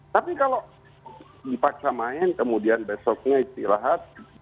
tapi kalau dipaksa main kemudian besoknya istirahat